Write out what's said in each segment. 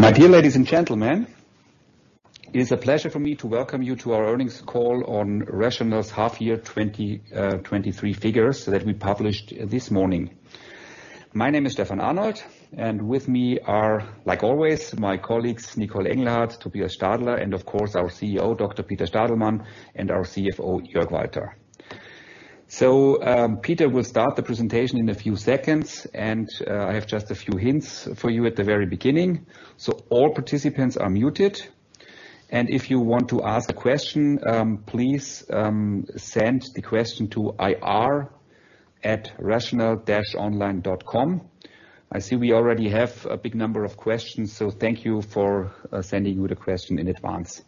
My dear ladies and gentlemen, it is a pleasure for me to welcome you to our earnings call on RATIONAL's half year 2023 figures that we published this morning. My name is Stefan Arnold, and with me are, like always, my colleagues, Nicole Engelhardt, Tobias Stadler, and of course, our CEO, Dr. Peter Stadelmann, and our CFO, Jörg Walter. Peter will start the presentation in a few seconds, and I have just a few hints for you at the very beginning. All participants are muted, and if you want to ask a question, please send the question to ir@rational-online.com. I see we already have a big number of questions, so thank you for sending you the question in advance.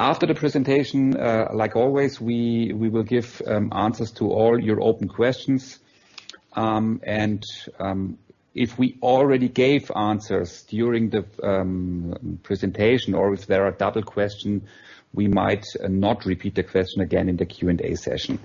After the presentation, like always, we, we will give answers to all your open questions. If we already gave answers during the presentation, or if there are double question, we might not repeat the question again in the Q&A session.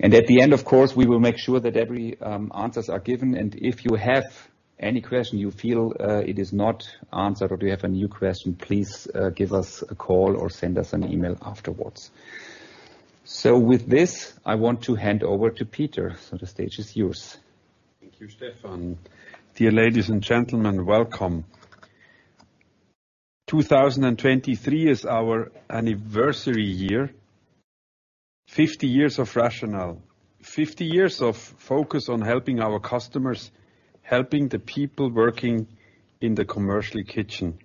At the end, of course, we will make sure that every answers are given, and if you have any question you feel it is not answered or you have a new question, please give us a call or send us an email afterwards. With this, I want to hand over to Peter, so the stage is yours. Thank you, Stefan. Dear ladies and gentlemen, welcome. 2023 is our anniversary year, 50 years of RATIONAL. 50 years of focus on helping our customers, helping the people working in the commercial kitchen.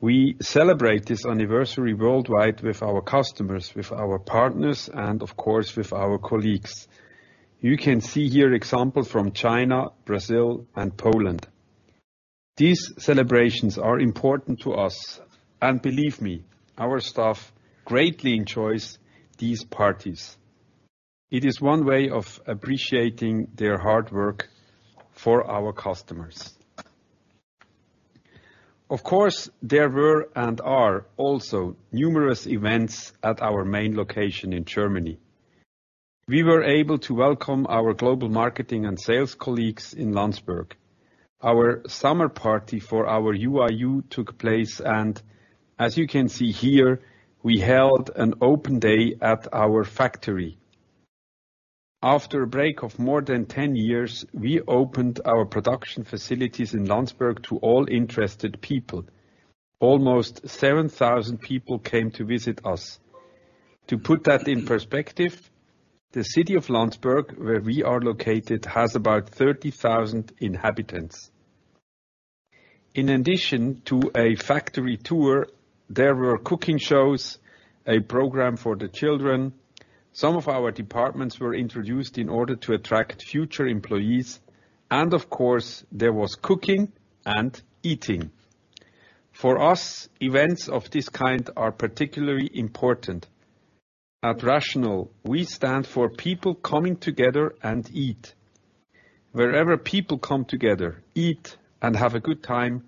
We celebrate this anniversary worldwide with our customers, with our partners, and of course, with our colleagues. You can see here example from China, Brazil and Poland. These celebrations are important to us, and believe me, our staff greatly enjoys these parties. It is one way of appreciating their hard work for our customers. Of course, there were, and are also numerous events at our main location in Germany. We were able to welcome our global marketing and sales colleagues in Landsberg. Our summer party for our U.i.U. took place, and as you can see here, we held an open day at our factory. After a break of more than 10 years, we opened our production facilities in Landsberg to all interested people. Almost 7,000 people came to visit us. To put that in perspective, the city of Landsberg, where we are located, has about 30,000 inhabitants. In addition to a factory tour, there were cooking shows, a program for the children. Some of our departments were introduced in order to attract future employees, of course, there was cooking and eating. For us, events of this kind are particularly important. At RATIONAL, we stand for people coming together and eat. Wherever people come together, eat, and have a good time,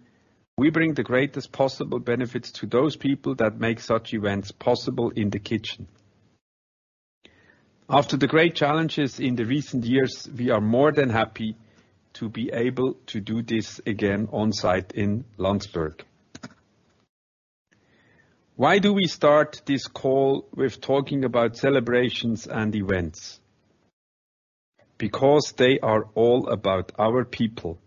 we bring the greatest possible benefits to those people that make such events possible in the kitchen. After the great challenges in the recent years, we are more than happy to be able to do this again on site in Landsberg. Why do we start this call with talking about celebrations and events? They are all about our people.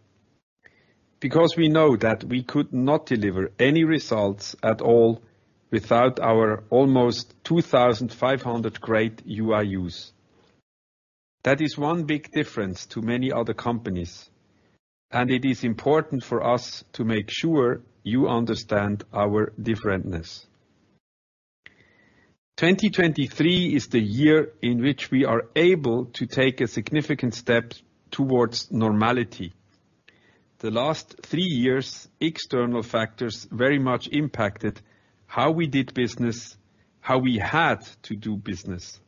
We know that we could not deliver any results at all without our almost 2,500 great U.i.U.s. That is 1 big difference to many other companies, and it is important for us to make sure you understand our differentness. 2023 is the year in which we are able to take a significant step towards normality. The last 3 years, external factors very much impacted how we did business, how we had to do business.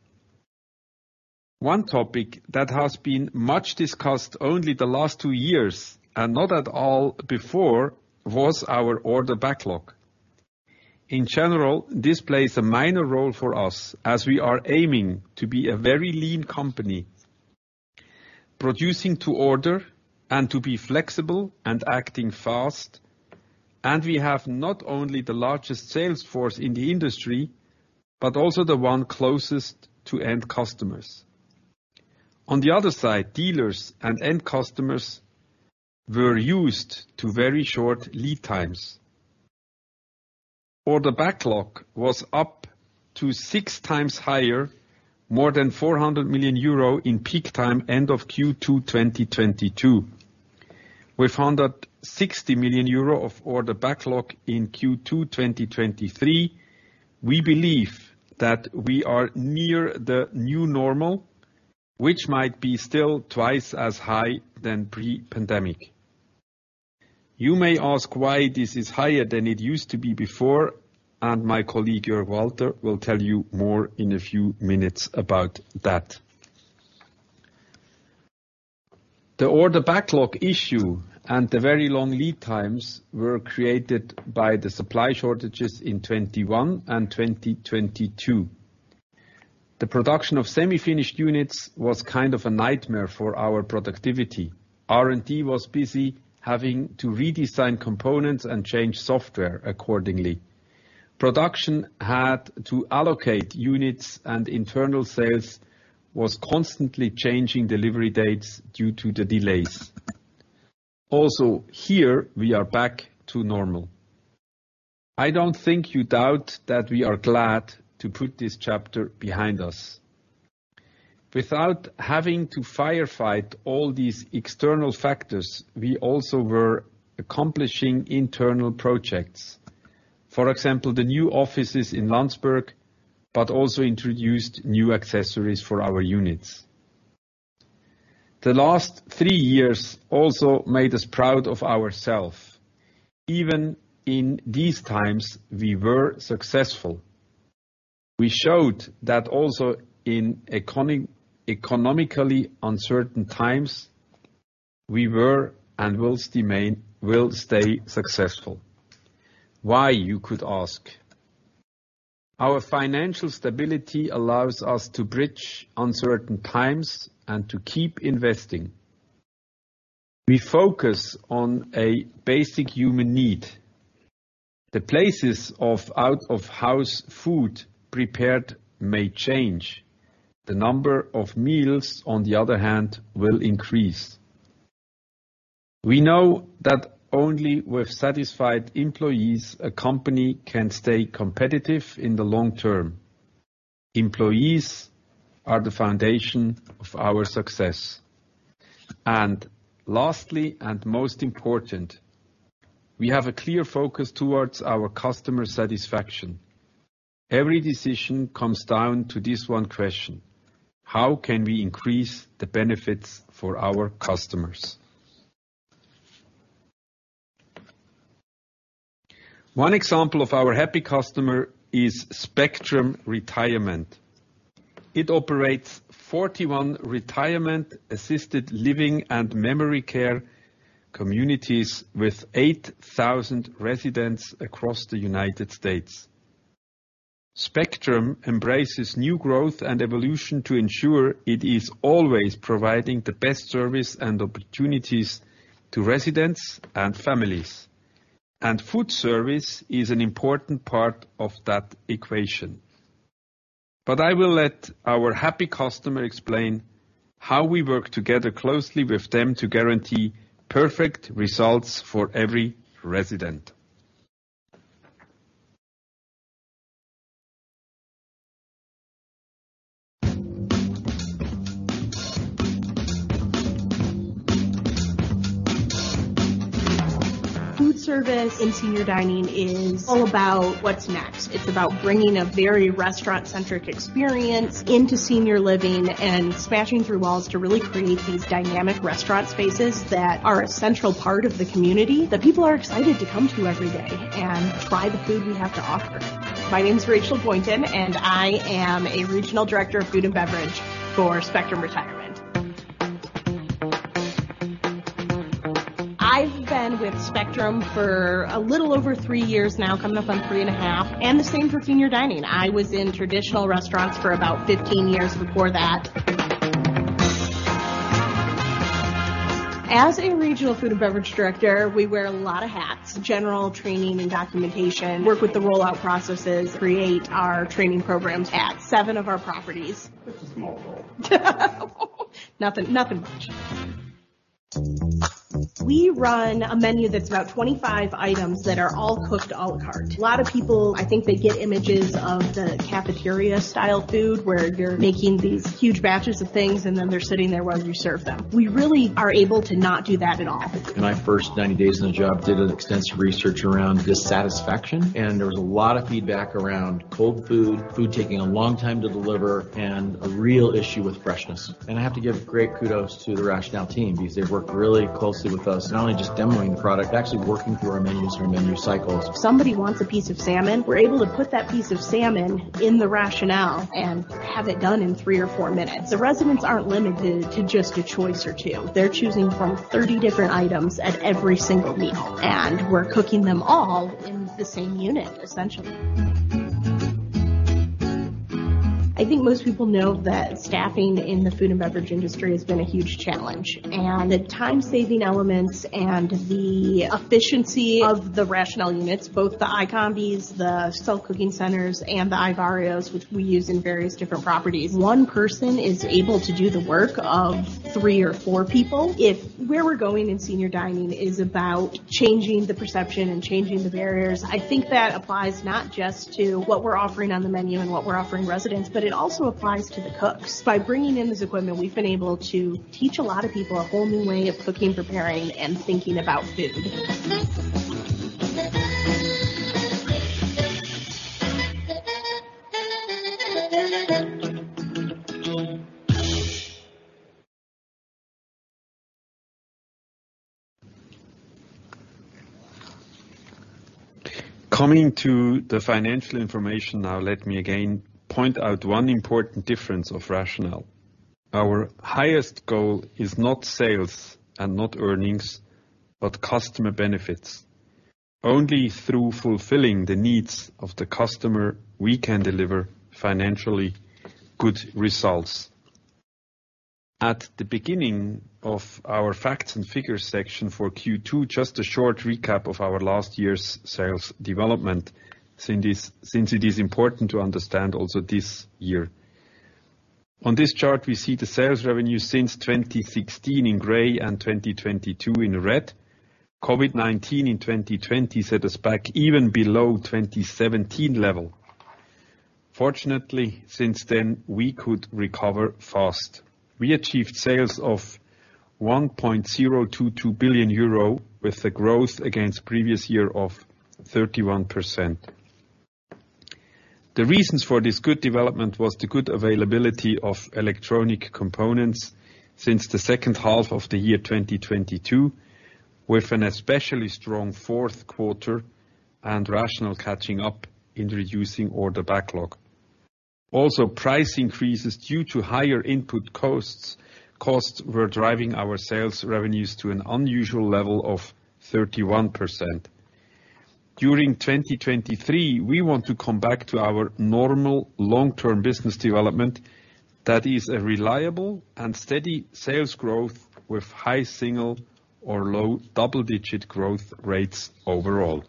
1 topic that has been much discussed only the last 2 years, and not at all before, was our order backlog. In general, this plays a minor role for us, as we are aiming to be a very lean company, producing to order and to be flexible and acting fast, and we have not only the largest sales force in the industry, but also the one closest to end customers. On the other side, dealers and end customers were used to very short lead times. Order backlog was up to six times higher, more than 400 million euro in peak time, end of Q2 2022. With 160 million euro of order backlog in Q2 2023, we believe that we are near the new normal, which might be still twice as high than pre-pandemic. You may ask why this is higher than it used to be before, and my colleague, Jörg Walter, will tell you more in a few minutes about that. The order backlog issue and the very long lead times were created by the supply shortages in 2021 and 2022. The production of semi-finished units was kind of a nightmare for our productivity. R&D was busy having to redesign components and change software accordingly. Production had to allocate units, internal sales was constantly changing delivery dates due to the delays. Also, here, we are back to normal. I don't think you doubt that we are glad to put this chapter behind us. Without having to firefight all these external factors, we also were accomplishing internal projects. For example, the new offices in Landsberg, also introduced new accessories for our units. The last 3 years also made us proud of ourselves. Even in these times, we were successful. We showed that also in economically uncertain times, we were and will still stay successful. Why, you could ask? Our financial stability allows us to bridge uncertain times and to keep investing. We focus on a basic human need. The places of out-of-house food prepared may change. The number of meals, on the other hand, will increase. We know that only with satisfied employees, a company can stay competitive in the long term. Employees are the foundation of our success. Lastly, and most important, we have a clear focus towards our customer satisfaction. Every decision comes down to this one question: How can we increase the benefits for our customers? One example of our happy customer is Spectrum Retirement. It operates 41 retirement, assisted living, and memory care communities with 8,000 residents across the United States. Spectrum embraces new growth and evolution to ensure it is always providing the best service and opportunities to residents and families, food service is an important part of that equation. I will let our happy customer explain how we work together closely with them to guarantee perfect results for every resident. Food service in senior dining is all about what's next. It's about bringing a very restaurant-centric experience into senior living and smashing through walls to really create these dynamic restaurant spaces that are a central part of the community, that people are excited to come to every day and try the food we have to offer. My name is Rachel Boynton, and I am a regional director of food and beverage for Spectrum Retirement. I've been with Spectrum for a little over three years now, coming up on 3.5, and the same for senior dining. I was in traditional restaurants for about 15 years before that. As a regional food and beverage director, we wear a lot of hats, general training and documentation, work with the rollout processes, create our training programs at 7 of our properties. It's a small role. Nothing, nothing much. We run a menu that's about 25 items that are all cooked à la carte. A lot of people, I think, they get images of the cafeteria-style food, where you're making these huge batches of things, and then they're sitting there while you serve them. We really are able to not do that at all. In my first 90 days on the job, did an extensive research around dissatisfaction, and there was a lot of feedback around cold food, food taking a long time to deliver, and a real issue with freshness. I have to give great kudos to the RATIONAL team because they've worked really closely with us, not only just demoing the product, actually working through our menus and our menu cycles. If somebody wants a piece of salmon, we're able to put that piece of salmon in the RATIONAL and have it done in 3 or 4 minutes. The residents aren't limited to just a choice or 2. They're choosing from 30 different items at every single meal, and we're cooking them all in the same unit, essentially. I think most people know that staffing in the food and beverage industry has been a huge challenge, and the time-saving elements and the efficiency of the RATIONAL units, both the iCombis, the SelfCookingCenter, and the iVarios, which we use in various different properties, 1 person is able to do the work of 3 or 4 people. If where we're going in senior dining is about changing the perception and changing the barriers, I think that applies not just to what we're offering on the menu and what we're offering residents, but it also applies to the cooks. By bringing in this equipment, we've been able to teach a lot of people a whole new way of cooking, preparing, and thinking about food. Coming to the financial information now, let me again point out one important difference of RATIONAL. Our highest goal is not sales and not earnings, but customer benefits. Only through fulfilling the needs of the customer, we can deliver financially good results. At the beginning of our facts and figures section for Q2, just a short recap of our last year's sales development, since it is important to understand also this year. On this chart, we see the sales revenue since 2016 in gray and 2022 in red. COVID-19 in 2020 set us back even below 2017 level. Fortunately, since then, we could recover fast. We achieved sales of 1.022 billion euro, with a growth against previous year of 31%. The reasons for this good development was the good availability of electronic components since the second half of the year 2022, with an especially strong fourth quarter and RATIONAL catching up in reducing order backlog. Also, price increases due to higher input costs, costs were driving our sales revenues to an unusual level of 31%. During 2023, we want to come back to our normal long-term business development, that is a reliable and steady sales growth with high single or low double-digit growth rates overall.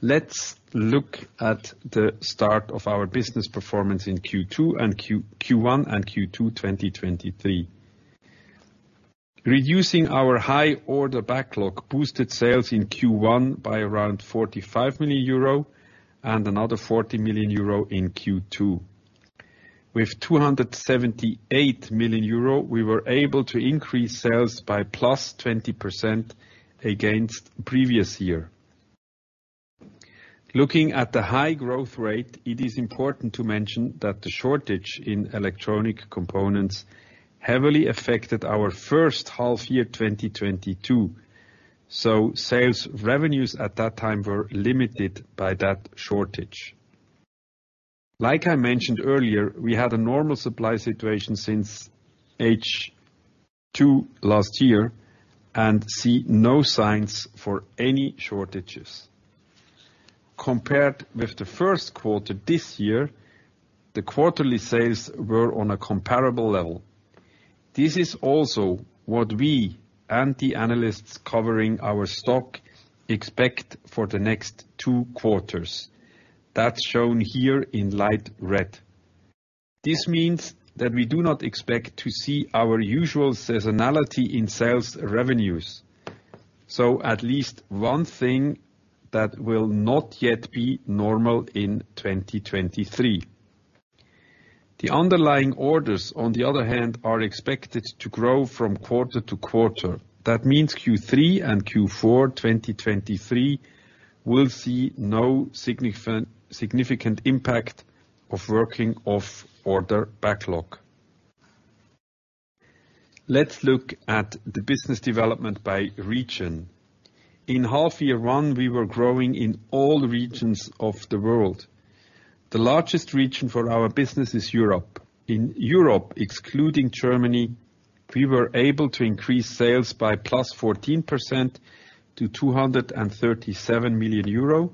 Let's look at the start of our business performance in Q2 and Q1 and Q2 2023. Reducing our high order backlog boosted sales in Q1 by around 45 million euro and another 40 million euro in Q2. With 278 million euro, we were able to increase sales by +20% against previous year. Looking at the high growth rate, it is important to mention that the shortage in electronic components heavily affected our first half year, 2022. Sales revenues at that time were limited by that shortage. Like I mentioned earlier, we had a normal supply situation since H2 last year, and see no signs for any shortages. Compared with the first quarter this year, the quarterly sales were on a comparable level. This is also what we and the analysts covering our stock expect for the next two quarters. That's shown here in light red. This means that we do not expect to see our usual seasonality in sales revenues, so at least one thing that will not yet be normal in 2023. The underlying orders, on the other hand, are expected to grow from quarter to quarter. That means Q3 and Q4, 2023, will see no significant, significant impact of working off order backlog. Let's look at the business development by region. In half year one, we were growing in all regions of the world. The largest region for our business is Europe. In Europe, excluding Germany, we were able to increase sales by +14% to 237 million euro,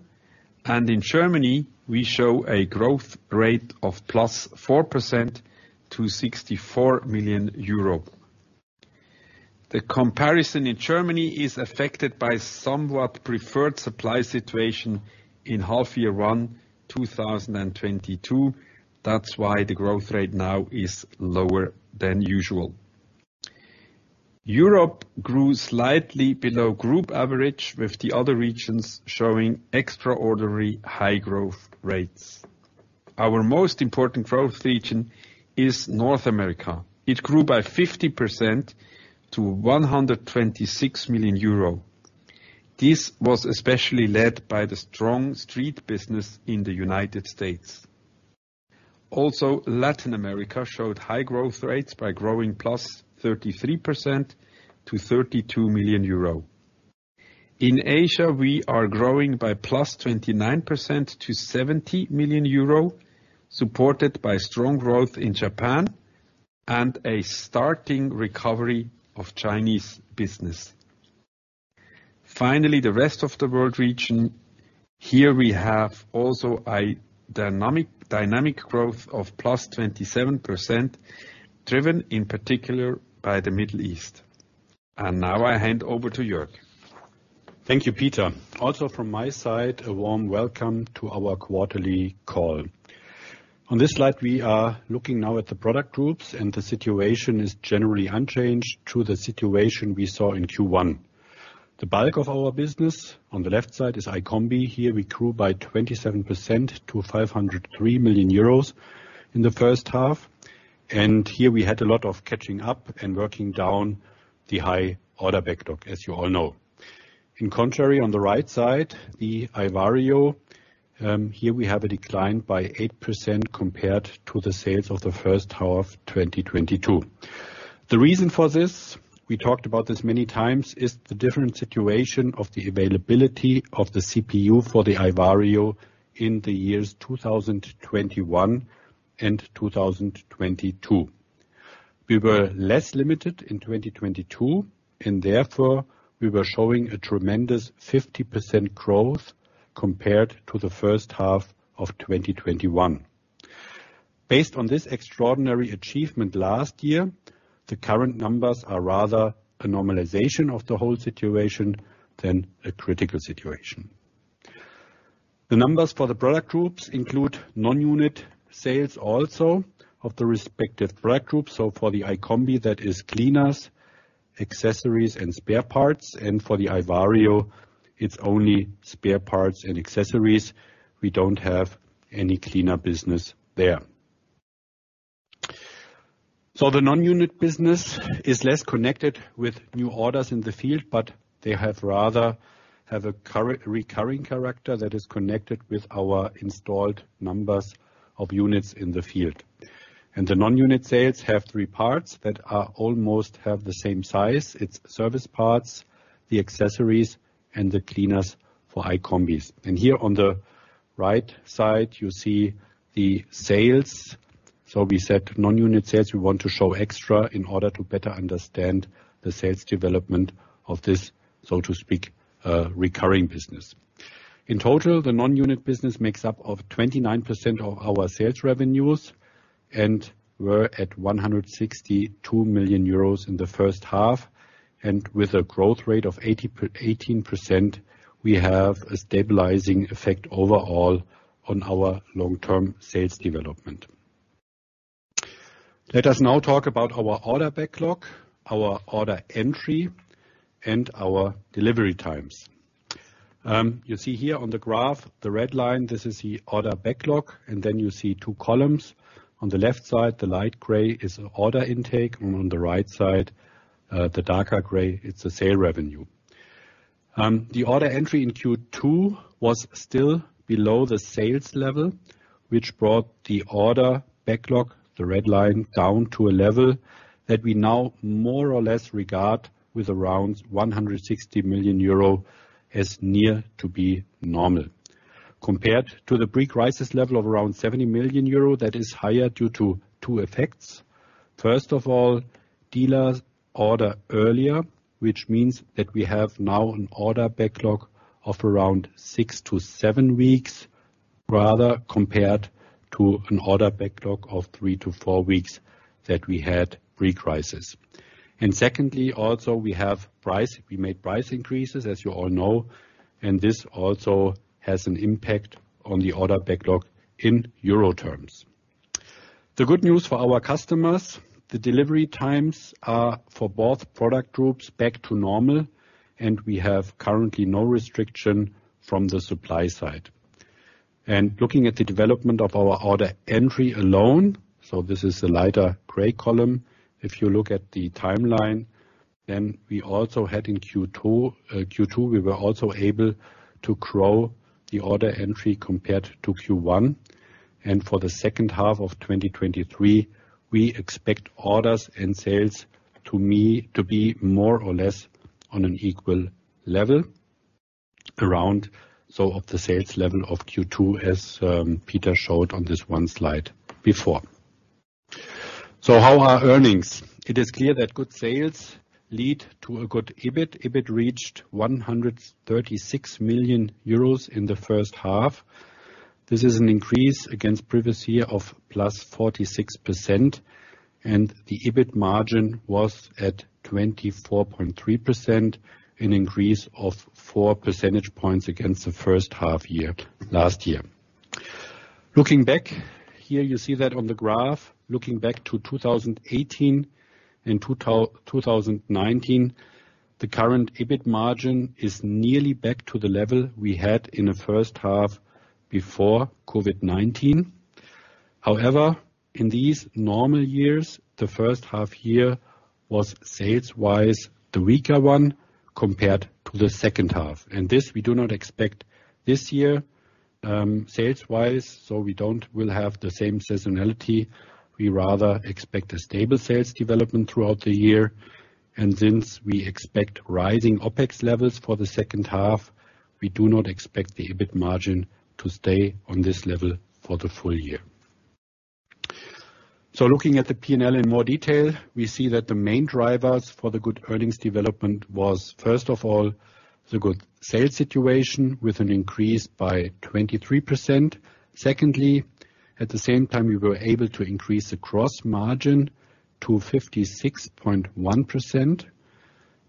and in Germany, we show a growth rate of +4% to 64 million euro. The comparison in Germany is affected by somewhat preferred supply situation in half year one, 2022. That's why the growth rate now is lower than usual. Europe grew slightly below group average, with the other regions showing extraordinary high growth rates. Our most important growth region is North America. It grew by 50% to 126 million euro. This was especially led by the strong street business in the United States. Latin America showed high growth rates by growing +33% to 32 million euro. In Asia, we are growing by +29% to 70 million euro, supported by strong growth in Japan and a starting recovery of Chinese business. The rest of the world region, here we have also a dynamic, dynamic growth of +27%, driven in particular by the Middle East. Now I hand over to Jörg. Thank you, Peter. Also from my side, a warm welcome to our quarterly call. On this slide, we are looking now at the product groups, and the situation is generally unchanged to the situation we saw in Q1. The bulk of our business, on the left side, is iCombi. Here we grew by 27% to 503 million euros in the first half, and here we had a lot of catching up and working down the high order backlog, as you all know. In contrary, on the right side, the Vario, here we have a decline by 8% compared to the sales of the first half, 2022. The reason for this, we talked about this many times, is the different situation of the availability of the CPU for the iVario in the years 2021 and 2022. We were less limited in 2022, therefore, we were showing a tremendous 50% growth compared to the first half of 2021. Based on this extraordinary achievement last year, the current numbers are rather a normalization of the whole situation than a critical situation. The numbers for the product groups include non-unit sales also of the respective product groups. For the iCombi, that is cleaners, accessories, and spare parts, and for the iVario, it's only spare parts and accessories. We don't have any cleaner business there. The non-unit business is less connected with new orders in the field, but they have rather have a recurring character that is connected with our installed numbers of units in the field. The non-unit sales have three parts that are almost have the same size: it's service parts, the accessories, and the cleaners for iCombis. Here on the right side, you see the sales. We said non-unit sales, we want to show extra in order to better understand the sales development of this, so to speak, recurring business. In total, the non-unit business makes up of 29% of our sales revenues, we're at 162 million euros in the first half, with a growth rate of 18%, we have a stabilizing effect overall on our long-term sales development. Let us now talk about our order backlog, our order entry, and our delivery times. You see here on the graph, the red line, this is the order backlog, then you see two columns. On the left side, the light gray is order intake, on the right side, the darker gray, it's the sale revenue. The order entry in Q2 was still below the sales level, which brought the order backlog, the red line, down to a level that we now more or less regard with around 160 million euro as near to be normal. Compared to the pre-crisis level of around 70 million euro, that is higher due to two effects. First of all, dealers order earlier, which means that we have now an order backlog of around 6-7 weeks, rather compared to an order backlog of 3-4 weeks that we had pre-crisis. Secondly, also, we made price increases, as you all know, and this also has an impact on the order backlog in euro terms. The good news for our customers, the delivery times are for both product groups back to normal, and we have currently no restriction from the supply side. Looking at the development of our order entry alone, so this is the lighter gray column. If you look at the timeline, then we also had in Q2, Q2, we were also able to grow the order entry compared to Q1. For the second half of 2023, we expect orders and sales to be more or less on an equal level, around, so of the sales level of Q2, as Peter showed on this one slide before. How are earnings? It is clear that good sales lead to a good EBIT. EBIT reached 136 million euros in the first half. This is an increase against previous year of +46%, and the EBIT margin was at 24.3%, an increase of 4 percentage points against the first half year, last year. Looking back, here you see that on the graph, looking back to 2018 and 2019, the current EBIT margin is nearly back to the level we had in the first half before COVID-19. However, in these normal years, the first half year was sales-wise, the weaker one compared to the second half. This, we do not expect this year, sales-wise, so we will have the same seasonality. We rather expect a stable sales development throughout the year, and since we expect rising OpEx levels for the second half, we do not expect the EBIT margin to stay on this level for the full year. Looking at the P&L in more detail, we see that the main drivers for the good earnings development was, first of all, the good sales situation, with an increase by 23%. Secondly, at the same time, we were able to increase the gross margin to 56.1%.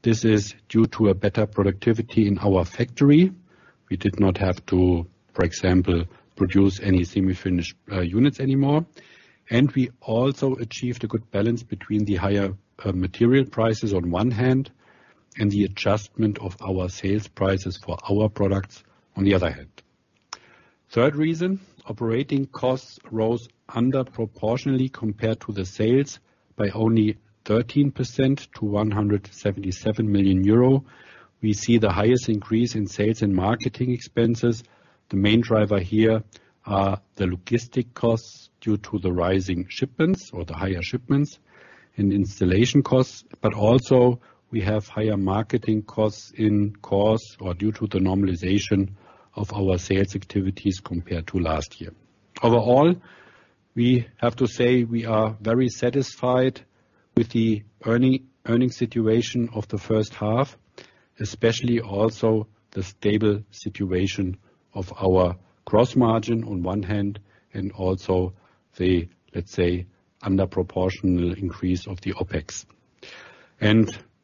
This is due to a better productivity in our factory. We did not have to, for example, produce any semi-finished units anymore. We also achieved a good balance between the higher material prices on one hand and the adjustment of our sales prices for our products on the other hand. Third reason, operating costs rose under proportionally compared to the sales by only 13% to 177 million euro. We see the highest increase in sales and marketing expenses. The main driver here are the logistic costs due to the rising shipments or the higher shipments and installation costs, but also we have higher marketing costs in costs or due to the normalization of our sales activities compared to last year. Overall, we have to say we are very satisfied with the earnings situation of the first half, especially also the stable situation of our gross margin on one hand, and also the, let's say, under proportional increase of the OpEx.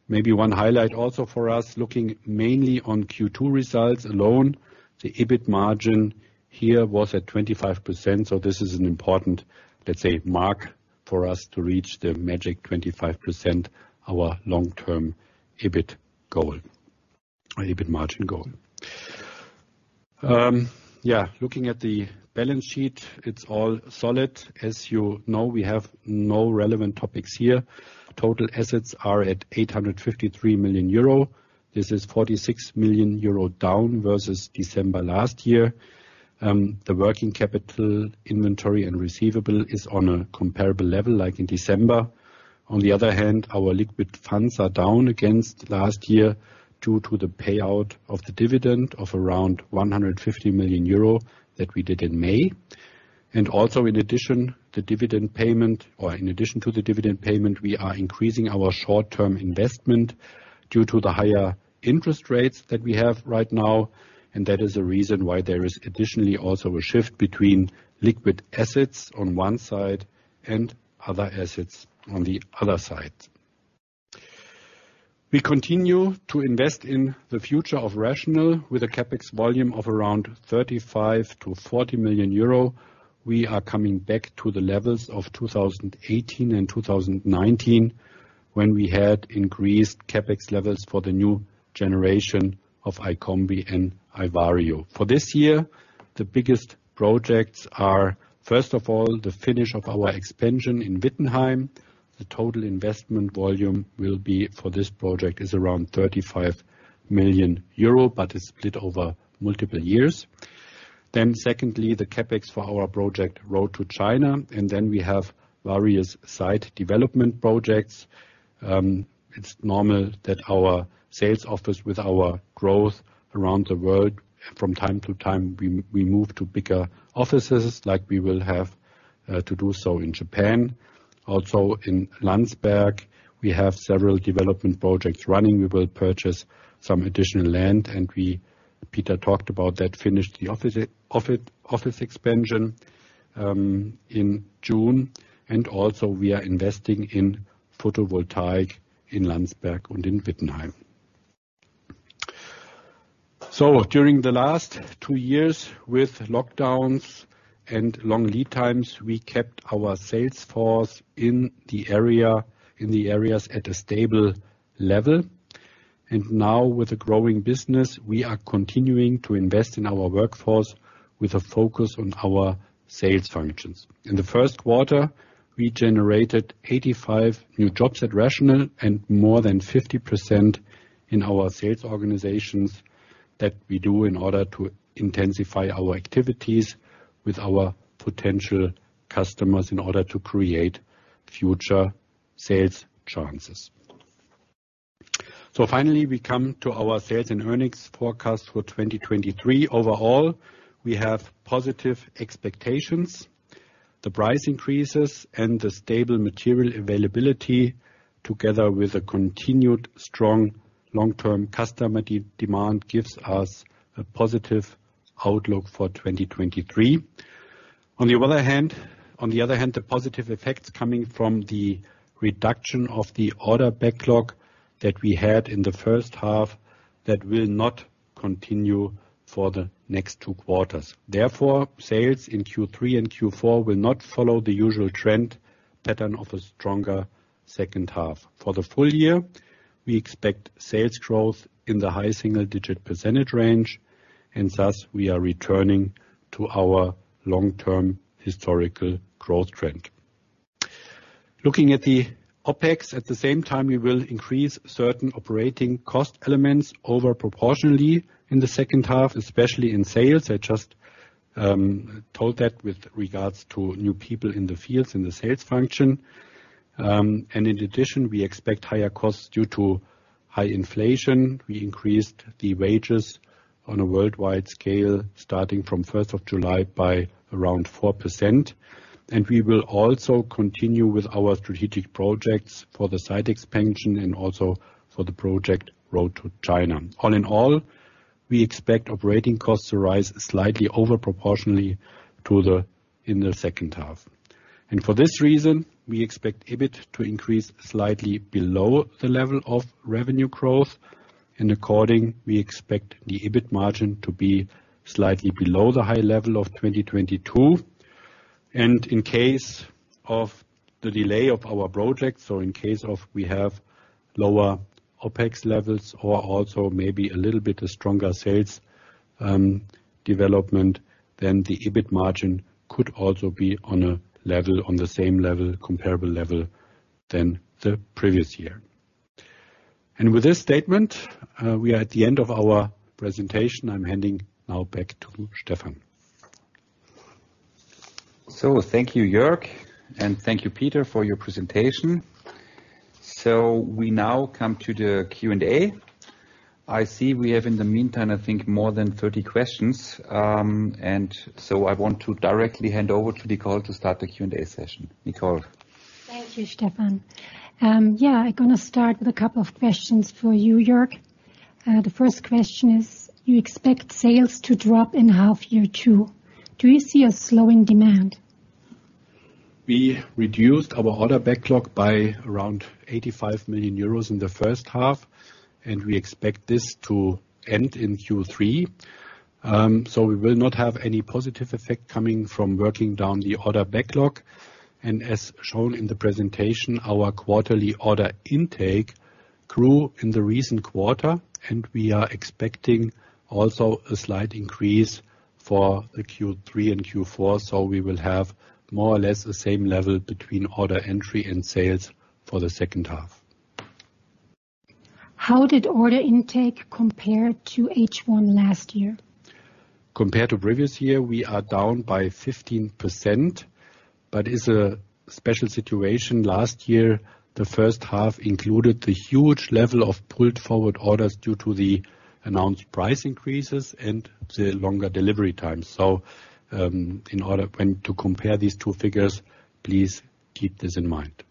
Maybe one highlight also for us, looking mainly on Q2 results alone, the EBIT margin here was at 25%, so this is an important, let's say, mark for us to reach the magic 25%, our long-term EBIT goal or EBIT margin goal. Yeah, looking at the balance sheet, it's all solid. As you know, we have no relevant topics here. Total assets are at 853 million euro. This is 46 million euro down versus December last year. The working capital inventory and receivable is on a comparable level, like in December. On the other hand, our liquid funds are down against last year due to the payout of the dividend of around 150 million euro that we did in May. Also, in addition, the dividend payment, or in addition to the dividend payment, we are increasing our short-term investment due to the higher interest rates that we have right now, and that is a reason why there is additionally also a shift between liquid assets on one side and other assets on the other side. We continue to invest in the future of RATIONAL with a CapEx volume of around 35 million-40 million euro. We are coming back to the levels of 2018 and 2019, when we had increased CapEx levels for the new generation of iCombi and iVario. For this year, the biggest projects are, first of all, the finish of our expansion in Wittenheim. The total investment volume will be, for this project, is around 35 million euro, but it's split over multiple years. Secondly, the CapEx for our project Road to China, and then we have various site development projects. It's normal that our sales office, with our growth around the world, from time to time, we, we move to bigger offices, like we will have to do so in Japan. Also in Landsberg, we have several development projects running. We will purchase some additional land, Peter talked about that, finished the office, office, office expansion in June, and also we are investing in photovoltaic in Landsberg and in Wittenheim. During the last 2 years, with lockdowns and long lead times, we kept our sales force in the area, in the areas at a stable level. Now, with a growing business, we are continuing to invest in our workforce with a focus on our sales functions. In the first quarter, we generated 85 new jobs at RATIONAL and more than 50% in our sales organizations, that we do in order to intensify our activities with our potential customers in order to create future sales chances. Finally, we come to our sales and earnings forecast for 2023. Overall, we have positive expectations. The price increases and the stable material availability, together with a continued strong long-term customer demand, gives us a positive outlook for 2023. On the other hand, the positive effects coming from the reduction of the order backlog that we had in the first half, that will not continue for the next 2 quarters. Therefore, sales in Q3 and Q4 will not follow the usual trend, pattern of a stronger second half. For the full year, we expect sales growth in the high single-digit % range, and thus, we are returning to our long-term historical growth trend. Looking at the OpEx, at the same time, we will increase certain operating cost elements over proportionally in the second half, especially in sales. I just told that with regards to new people in the fields, in the sales function. In addition, we expect higher costs due to high inflation. We increased the wages on a worldwide scale, starting from 1st of July by around 4%, and we will also continue with our strategic projects for the site expansion and also for the project Road to China. All in all, we expect operating costs to rise slightly over-proportionally in the second half. For this reason, we expect EBIT to increase slightly below the level of revenue growth. According, we expect the EBIT margin to be slightly below the high level of 2022. In case of the delay of our projects, or in case of we have lower OpEx levels or also maybe a little bit stronger sales development, then the EBIT margin could also be on a level, on the same level, comparable level than the previous year. With this statement, we are at the end of our presentation. I'm handing now back to Stefan. Thank you, Jörg, and thank you, Peter, for your presentation. We now come to the Q&A. I see we have, in the meantime, I think more than 30 questions, and so I want to directly hand over to Nicole to start the Q&A session. Nicole? Thank you, Stefan. Yeah, I'm gonna start with a couple of questions for you, Jörg. The first question is: you expect sales to drop in half year 2. Do you see a slowing demand? We reduced our order backlog by around 85 million euros in the first half. We expect this to end in Q3. We will not have any positive effect coming from working down the order backlog. As shown in the presentation, our quarterly order intake grew in the recent quarter, and we are expecting also a slight increase for the Q3 and Q4. We will have more or less the same level between order entry and sales for the second half. How did order intake compare to H1 last year? Compared to previous year, we are down by 15%, but it's a special situation. Last year, the first half included the huge level of pulled forward orders due to the announced price increases and the longer delivery time. In order when to compare these two figures, please keep this in mind.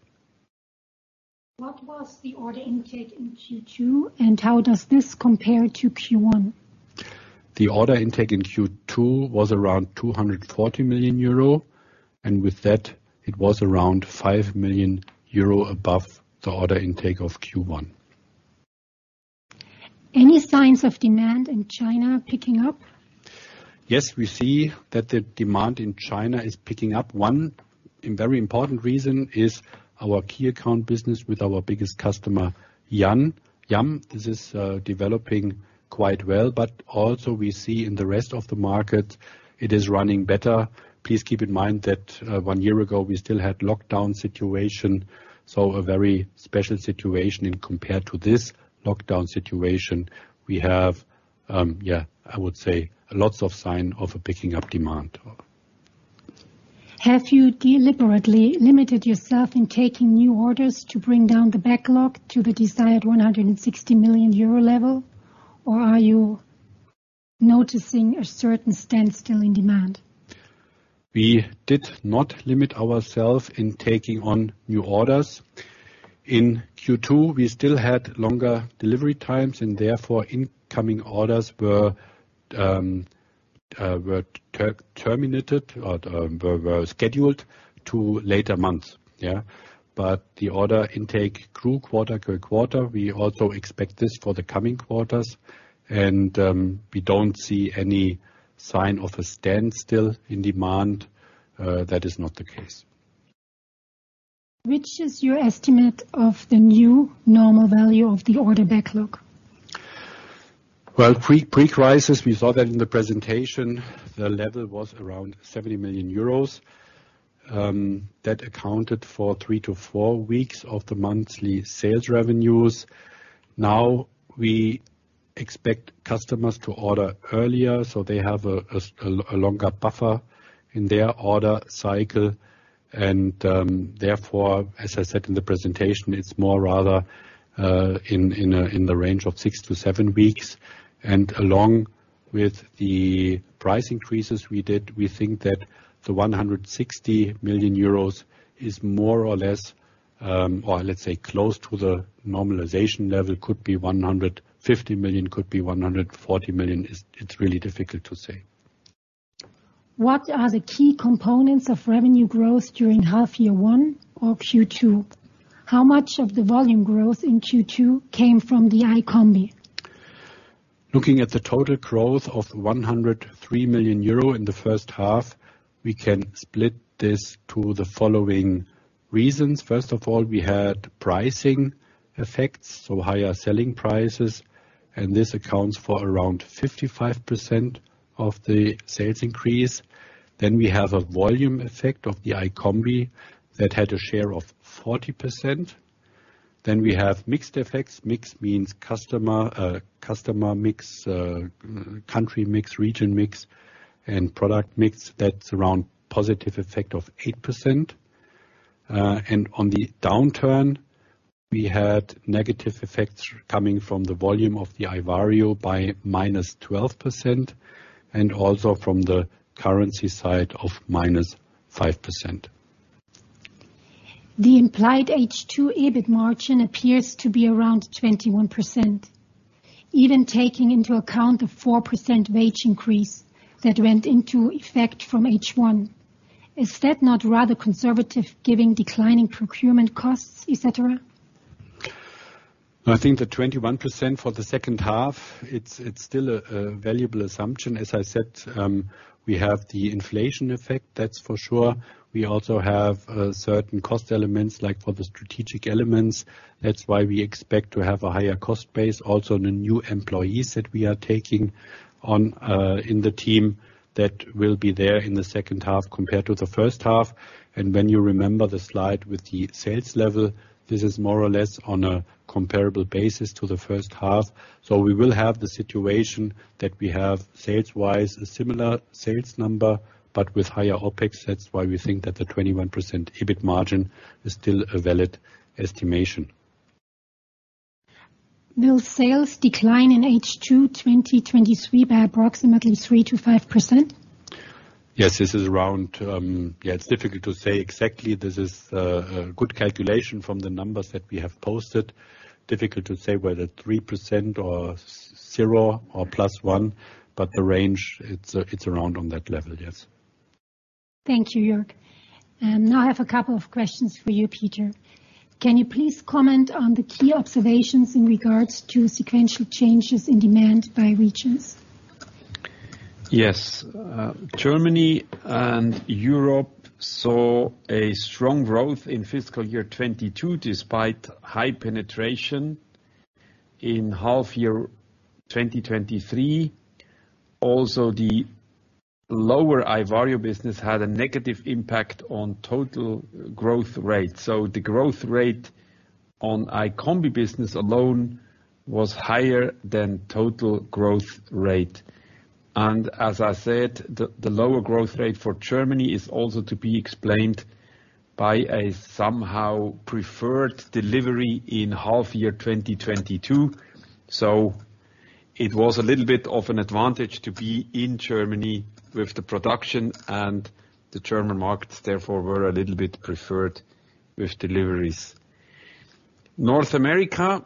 What was the order intake in Q2? How does this compare to Q1? The order intake in Q2 was around 240 million euro. With that, it was around 5 million euro above the order intake of Q1. Any signs of demand in China picking up? Yes, we see that the demand in China is picking up. One, and very important reason, is our key account business with our biggest customer, Yum! This is developing quite well, but also we see in the rest of the market, it is running better. Please keep in mind that one year ago we still had lockdown situation, so a very special situation and compared to this lockdown situation, we have, yeah, I would say lots of sign of a picking up demand. Have you deliberately limited yourself in taking new orders to bring down the backlog to the desired 160 million euro level? Are you noticing a certain standstill in demand? We did not limit ourselves in taking on new orders. In Q2, we still had longer delivery times, and therefore, incoming orders were terminated or were scheduled to later months. Yeah. The order intake grew quarter to quarter. We also expect this for the coming quarters, and we don't see any sign of a standstill in demand. That is not the case. Which is your estimate of the new normal value of the order backlog? Well, pre-crisis, we saw that in the presentation, the level was around 70 million euros, that accounted for 3-4 weeks of the monthly sales revenues. Now, we expect customers to order earlier, so they have a longer buffer in their order cycle, therefore, as I said in the presentation, it's more rather in the range of 6-7 weeks. Along with the price increases we did, we think that the 160 million euros is more or less, or let's say close to the normalization level, could be 150 million, could be 140 million. It's really difficult to say. What are the key components of revenue growth during H1 or Q2? How much of the volume growth in Q2 came from the iCombi? Looking at the total growth of 103 million euro in the first half, we can split this to the following reasons: First of all, we had pricing effects, so higher selling prices, and this accounts for around 55% of the sales increase. We have a volume effect of the iCombi that had a share of 40%. We have mixed effects. Mixed means customer, customer mix, country mix, region mix, and product mix. That's around positive effect of 8%. On the downturn, we had negative effects coming from the volume of the iVario by -12%, and also from the currency side of -5%. The implied H2 EBIT margin appears to be around 21%, even taking into account the 4% wage increase that went into effect from H1. Is that not rather conservative, giving declining procurement costs, et cetera? I think the 21% for the second half, it's still a valuable assumption. As I said, we have the inflation effect, that's for sure. We also have certain cost elements, like for the strategic elements. That's why we expect to have a higher cost base. Also, the new employees that we are taking on in the team, that will be there in the second half compared to the first half. When you remember the slide with the sales level, this is more or less on a comparable basis to the first half. We will have the situation that we have, sales-wise, a similar sales number, but with higher OpEx. That's why we think that the 21% EBIT margin is still a valid estimation. Will sales decline in H2 2023 by approximately 3%-5%? Yes, this is around, yeah, it's difficult to say exactly. This is a good calculation from the numbers that we have posted. Difficult to say whether 3% or 0 or +1, but the range, it's around on that level, yes. Thank you, Jörg. Now I have a couple of questions for you, Peter. Can you please comment on the key observations in regards to sequential changes in demand by regions? Yes. Germany and Europe saw a strong growth in fiscal year 2022, despite high penetration. In half year 2023, also, the lower iVario business had a negative impact on total growth rate. The growth rate on iCombi business alone was higher than total growth rate. As I said, the, the lower growth rate for Germany is also to be explained by a somehow preferred delivery in half year 2022. It was a little bit of an advantage to be in Germany with the production, and the German markets, therefore, were a little bit preferred with deliveries. North America,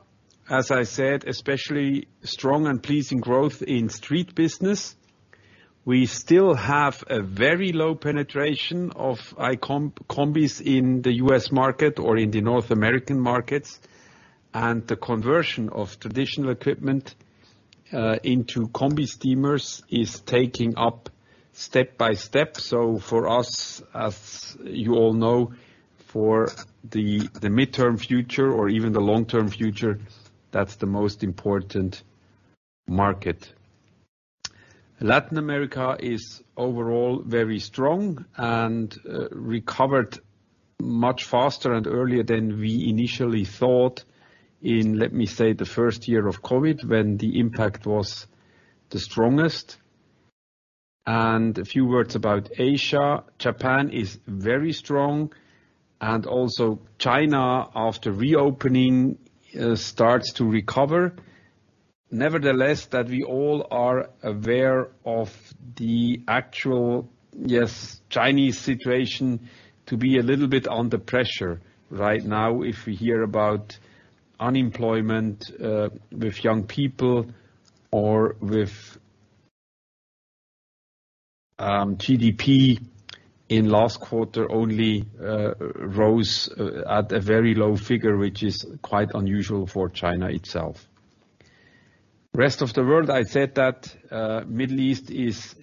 as I said, especially strong and pleasing growth in street business. We still have a very low penetration of iCombi, Combis in the U.S. market or in the North American markets. The conversion of traditional equipment into combi steamers is taking up step by step. For us, as you all know, for the midterm future or even the long-term future, that's the most important market. Latin America is overall very strong and recovered much faster and earlier than we initially thought in, let me say, the first year of COVID, when the impact was the strongest. A few words about Asia: Japan is very strong, and also China, after reopening, starts to recover. Nevertheless, that we all are aware of the actual, yes, Chinese situation, to be a little bit under pressure right now, if we hear about unemployment with young people or with GDP in last quarter only rose at a very low figure, which is quite unusual for China itself. Rest of the world, I'd said that, Middle East is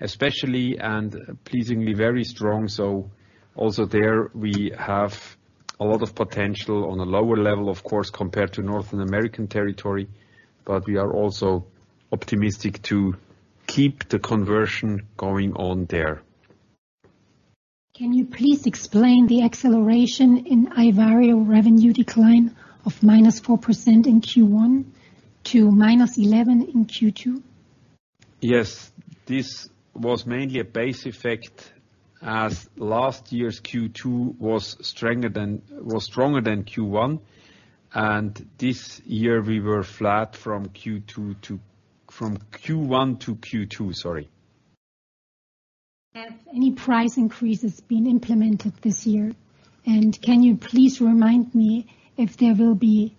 especially and pleasingly very strong, so also there, we have a lot of potential on a lower level, of course, compared to North American territory, but we are also optimistic to keep the conversion going on there. Can you please explain the acceleration in iVario revenue decline of -4% in Q1 to -11% in Q2? Yes. This was mainly a base effect, as last year's Q2 was stronger than Q1. This year we were flat from Q1 to Q2, sorry. Have any price increases been implemented this year? Can you please remind me if there will be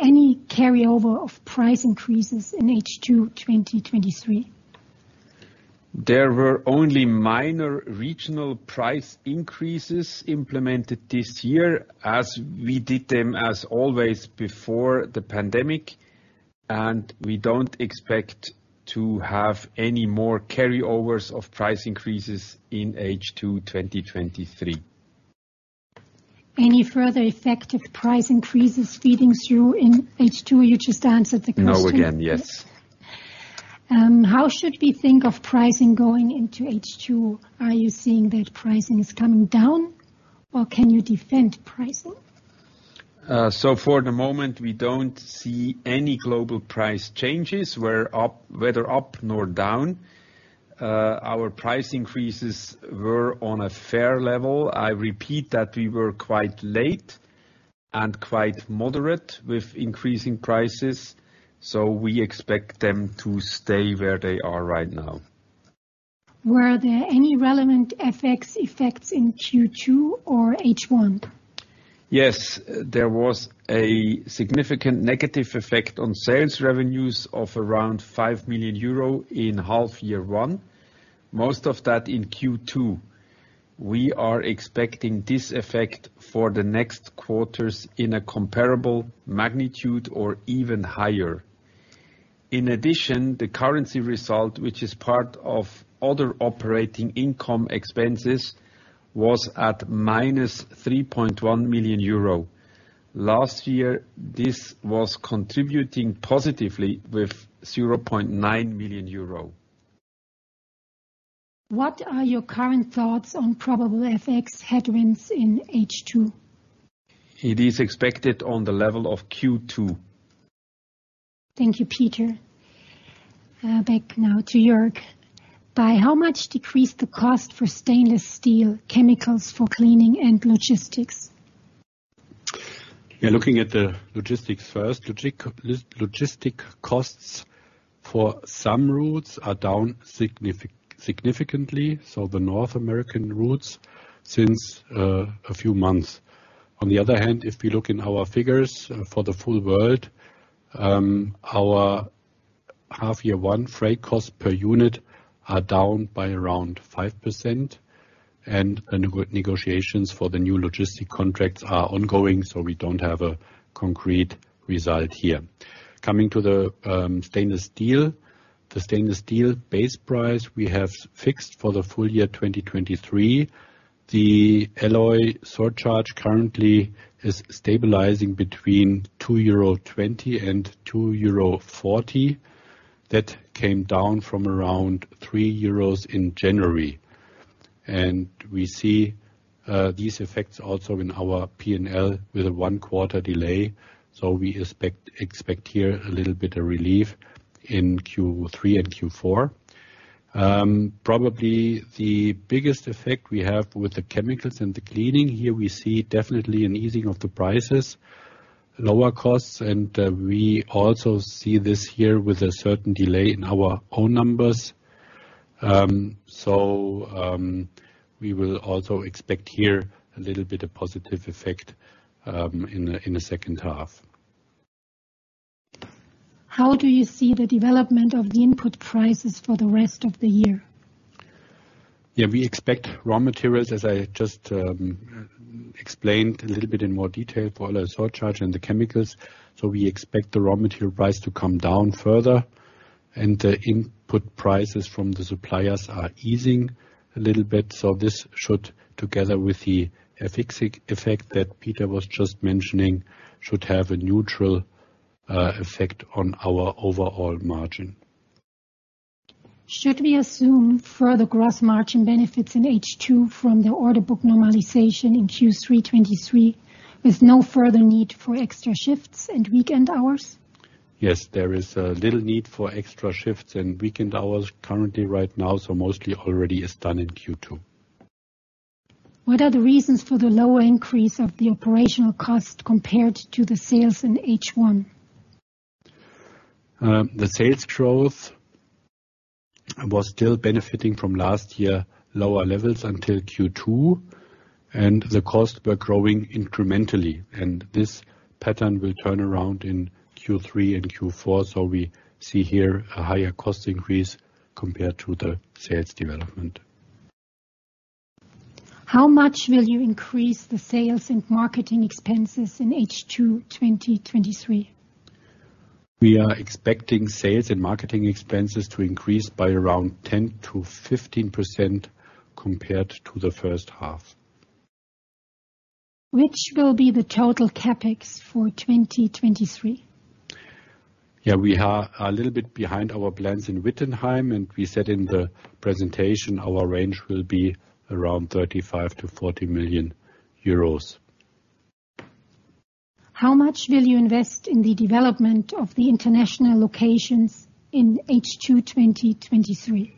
any carryover of price increases in H2 2023? There were only minor regional price increases implemented this year, as we did them, as always, before the pandemic. We don't expect to have any more carryovers of price increases in H2 2023. Any further effective price increases feeding through in H2? You just answered the question. No again, yes. How should we think of pricing going into H2? Are you seeing that pricing is coming down, or can you defend pricing? For the moment, we don't see any global price changes, whether up nor down. Our price increases were on a fair level. I repeat that we were quite late and quite moderate with increasing prices, so we expect them to stay where they are right now. Were there any relevant FX effects in Q2 or H1? Yes, there was a significant negative effect on sales revenues of around 5 million euro in half year one, most of that in Q2. We are expecting this effect for the next quarters in a comparable magnitude or even higher. In addition, the currency result, which is part of other operating income expenses, was at -3.1 million euro. Last year, this was contributing positively with 0.9 million euro. What are your current thoughts on probable FX headwinds in H2? It is expected on the level of Q2. Thank you, Peter. Back now to Jörg. By how much decreased the cost for stainless steel, chemicals for cleaning, and logistics? Yeah, looking at the logistics first. Logistics costs for some routes are down significantly, so the North American routes, since a few months. On the other hand, if we look in our figures for the full world, our half year 1 freight costs per unit are down by around 5%, negotiations for the new logistic contracts are ongoing, so we don't have a concrete result here. Coming to the stainless steel. The stainless steel base price we have fixed for the full year 2023. The alloy surcharge currently is stabilizing between 2.20 euro and 2.40 euro. That came down from around 3 euros in January. We see these effects also in our PNL with a one-quarter delay, so we expect here a little bit of relief in Q3 and Q4. Probably the biggest effect we have with the chemicals and the cleaning, here we see definitely an easing of the prices, lower costs, and we also see this here with a certain delay in our own numbers. We will also expect here a little bit of positive effect in the, in the second half. How do you see the development of the input prices for the rest of the year? Yeah, we expect raw materials, as I just explained a little bit in more detail, for alloy surcharge and the chemicals. We expect the raw material price to come down further, and the input prices from the suppliers are easing a little bit. This should, together with the FX effect that Peter was just mentioning, should have a neutral effect on our overall margin. Should we assume further gross margin benefits in H2 from the order book normalization in Q3 2023, with no further need for extra shifts and weekend hours? Yes, there is a little need for extra shifts and weekend hours currently right now, so mostly already is done in Q2. What are the reasons for the lower increase of the operational cost compared to the sales in H1? The sales growth was still benefiting from last year, lower levels until Q2, and the costs were growing incrementally, and this pattern will turn around in Q3 and Q4. We see here a higher cost increase compared to the sales development. How much will you increase the sales and marketing expenses in H2 2023? We are expecting sales and marketing expenses to increase by around 10%-15% compared to the first half. Which will be the total CapEx for 2023? Yeah, we are a little bit behind our plans in Wittenheim. We said in the presentation, our range will be around 35 million-40 million euros. How much will you invest in the development of the international locations in H2 2023?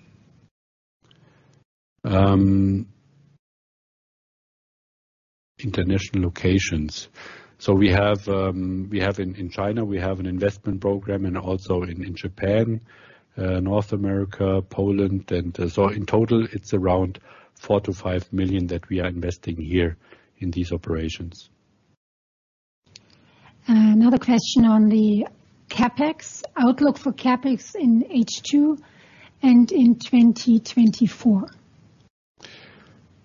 International locations. We have, we have in China, we have an investment program and also in Japan, North America, Poland, in total, it's around 4 million-5 million that we are investing here in these operations. Another question on the CapEx. Outlook for CapEx in H2 and in 2024.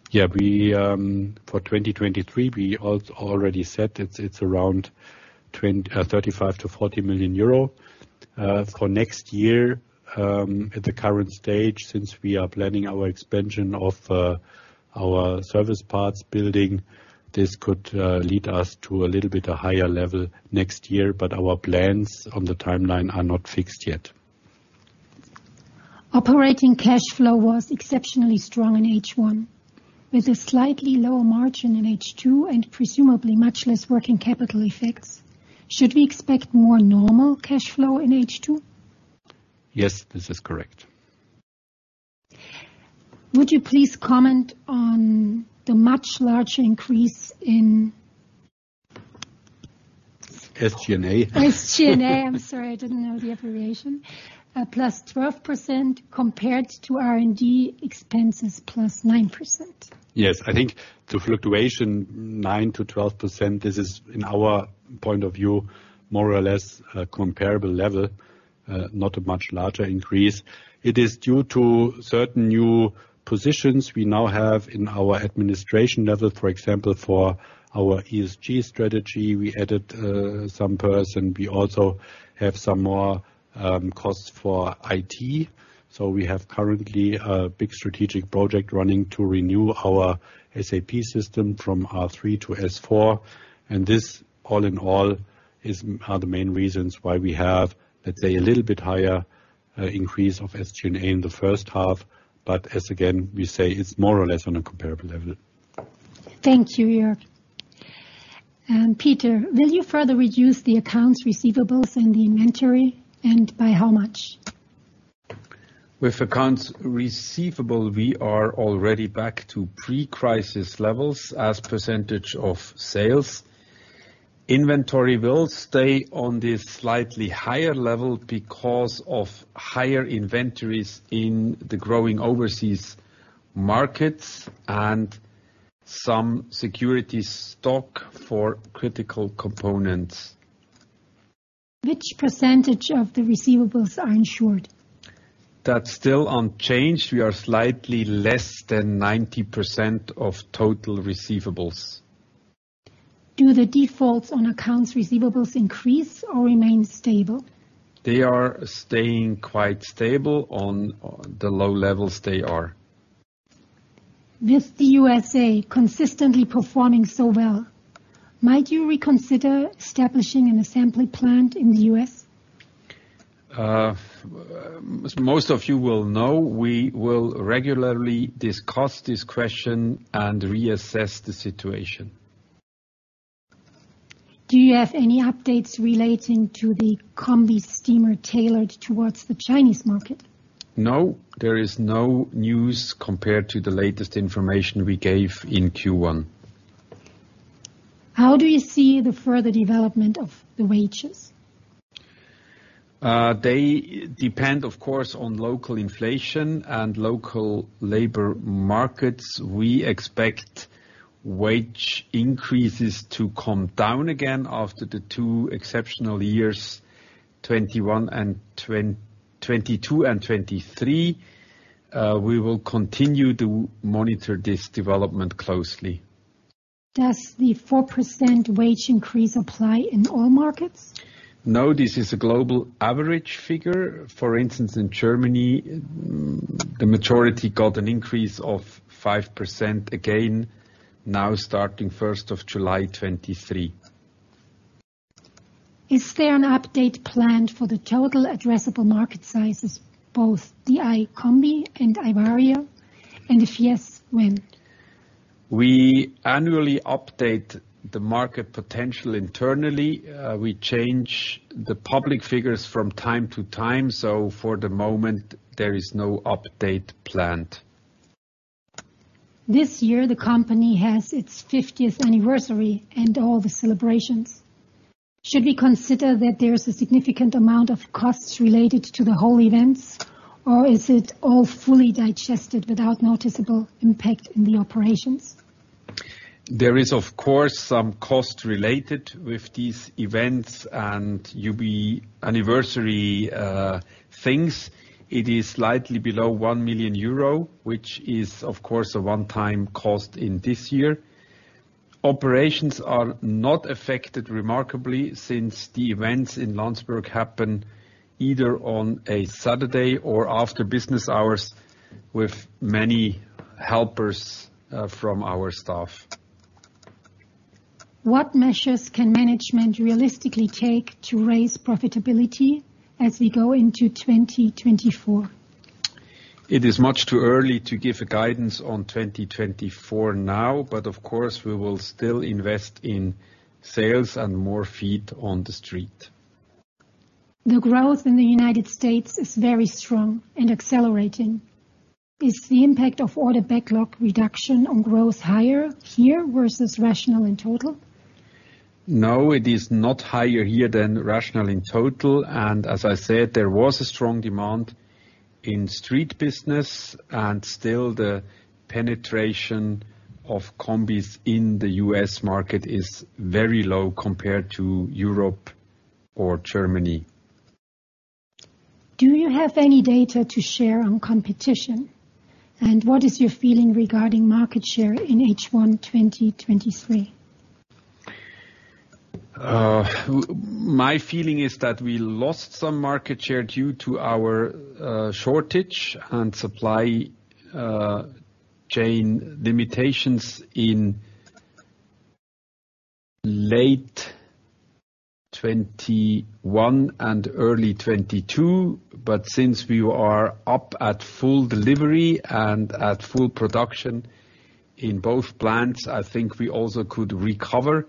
Yeah, we, for 2023, we already said it's, it's around 35 million-40 million euro. For next year, at the current stage, since we are planning our expansion of our service parts building, this could lead us to a little bit a higher level next year, but our plans on the timeline are not fixed yet. Operating cash flow was exceptionally strong in H1, with a slightly lower margin in H2 and presumably much less working capital effects. Should we expect more normal cash flow in H2? Yes, this is correct. Would you please comment on the much larger increase? SG&A? SG&A, I'm sorry, I didn't know the abbreviation. +12% compared to R&D expenses +9%. Yes, I think the fluctuation 9%-12%, this is, in our point of view, more or less a comparable level, not a much larger increase. It is due to certain new positions we now have in our administration level. For example, for our ESG strategy, we added some person. We also have some more costs for IT. We have currently a big strategic project running to renew our SAP system from R/3 to S/4HANA, and this, all in all, is. are the main reasons why we have, let's say, a little bit higher increase of SG&A in the first half, as again, we say, it's more or less on a comparable level. Thank you, Jörg. Peter, will you further reduce the accounts receivables and the inventory, and by how much? With accounts receivable, we are already back to pre-crisis levels as percentage of sales. Inventory will stay on this slightly higher level because of higher inventories in the growing overseas markets and some security stock for critical components. Which percentage of the receivables are insured? That's still unchanged. We are slightly less than 90% of total receivables. Do the defaults on accounts receivables increase or remain stable? They are staying quite stable on, on the low levels they are. With the U.S.A. consistently performing so well, might you reconsider establishing an assembly plant in the U.S.? As most of you will know, we will regularly discuss this question and reassess the situation. Do you have any updates relating to the combi steamer tailored towards the Chinese market? No, there is no news compared to the latest information we gave in Q1. How do you see the further development of the wages? They depend, of course, on local inflation and local labor markets. We expect wage increases to come down again after the two exceptional years, 2021 and 2022 and 2023. We will continue to monitor this development closely. Does the 4% wage increase apply in all markets? No, this is a global average figure. For instance, in Germany, the majority got an increase of 5% again, now starting July 1, 2023. Is there an update planned for the total addressable market sizes, both the iCombi and iVario? If yes, when? We annually update the market potential internally. We change the public figures from time to time, so for the moment, there is no update planned. This year, the company has its 50th anniversary and all the celebrations. Should we consider that there is a significant amount of costs related to the whole events, or is it all fully digested without noticeable impact in the operations? There is, of course, some cost related with these events and UiU anniversary things. It is slightly below 1 million euro, which is, of course, a one-time cost in this year. Operations are not affected remarkably, since the events in Landsberg happen either on a Saturday or after business hours, with many helpers from our staff. What measures can management realistically take to raise profitability as we go into 2024? It is much too early to give a guidance on 2024 now, but of course, we will still invest in sales and more feet on the street. The growth in the United States is very strong and accelerating. Is the impact of order backlog reduction on growth higher here, versus RATIONAL in total? No, it is not higher here than RATIONAL in total, and as I said, there was a strong demand in street business, and still the penetration of Combis in the U.S. market is very low compared to Europe or Germany. Do you have any data to share on competition? What is your feeling regarding market share in H1, 2023? My feeling is that we lost some market share due to our shortage and supply chain limitations in late 2021 and early 2022. Since we are up at full delivery and at full production in both plants, I think we also could recover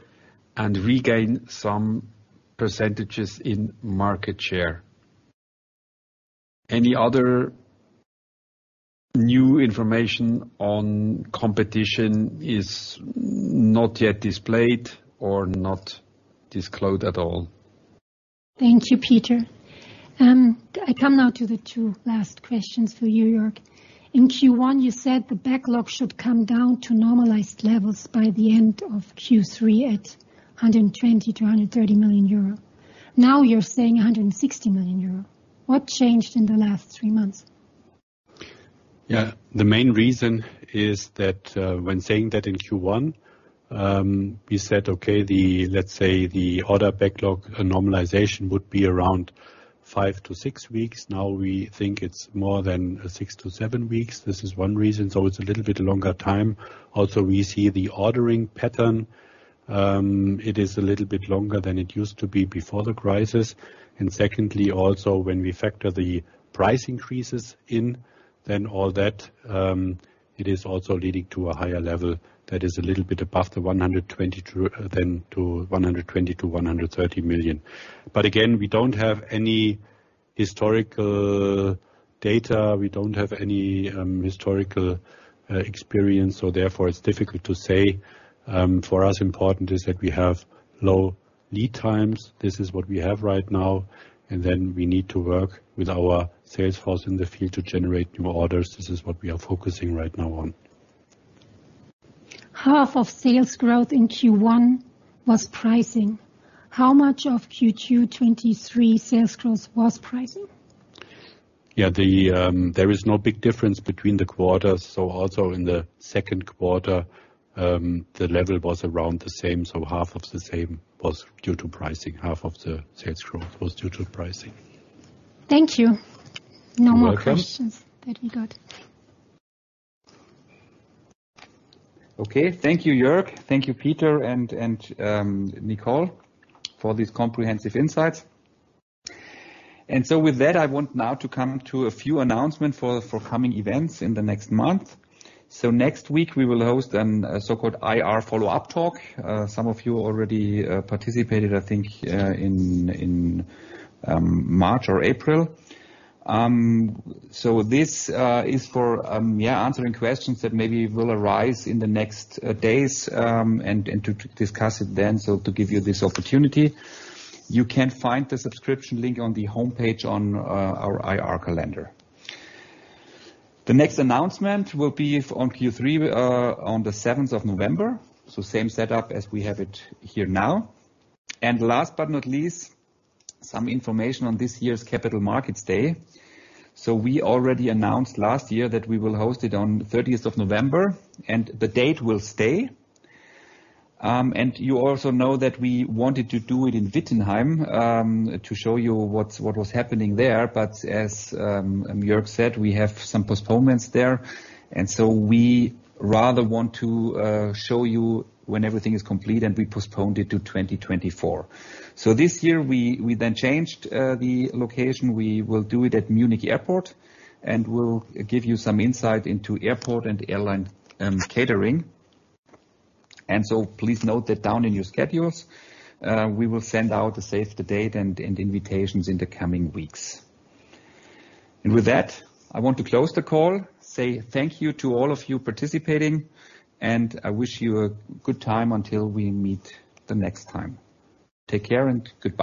and regain some percentages in market share. Any other new information on competition is not yet displayed or not disclosed at all. Thank you, Peter. I come now to the two last questions for you, Jörg. In Q1, you said the backlog should come down to normalized levels by the end of Q3 at 120 million-130 million euro. Now you're saying 160 million euro. What changed in the last three months? Yeah. The main reason is that when saying that in Q1, we said, "Okay, let's say the order backlog normalization would be around 5 to 6 weeks." Now we think it's more than 6 to 7 weeks. This is one reason, so it's a little bit longer time. Also, we see the ordering pattern, it is a little bit longer than it used to be before the crisis. Secondly, also, when we factor the price increases in, then all that, it is also leading to a higher level that is a little bit above the 120 million-130 million. Again, we don't have any- Historical data, we don't have any, historical experience, therefore, it's difficult to say. For us, important is that we have low lead times. This is what we have right now, and then we need to work with our sales force in the field to generate new orders. This is what we are focusing right now on. 0.5 of sales growth in Q1 was pricing. How much of Q2 2023 sales growth was pricing? Yeah, the, there is no big difference between the quarters, so also in the second quarter, the level was around the same, so half of the same was due to pricing. Half of the sales growth was due to pricing. Thank you. You're welcome. No more questions that we got. Okay, thank you, Jörg. Thank you, Peter and Nicole, for these comprehensive insights. With that, I want now to come to a few announcements for coming events in the next month. Next week we will host a so-called IR follow-up talk. Some of you already participated, I think, in March or April. This is for, yeah, answering questions that maybe will arise in the next days and to discuss it then, so to give you this opportunity. You can find the subscription link on the homepage on our IR calendar. The next announcement will be on Q3 on the seventh of November, so same setup as we have it here now. Last but not least, some information on this year's Capital Markets Day. We already announced last year that we will host it on the 30th of November, and the date will stay. You also know that we wanted to do it in Wittenheim to show you what was happening there. As Jörg said, we have some postponements there, and so we rather want to show you when everything is complete, and we postponed it to 2024. This year we, we then changed the location. We will do it at Munich Airport, and we'll give you some insight into airport and airline catering. Please note that down in your schedules. We will send out the save-the-date and, and invitations in the coming weeks. With that, I want to close the call, say thank you to all of you participating, and I wish you a good time until we meet the next time. Take care and goodbye.